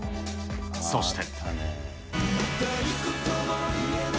そして。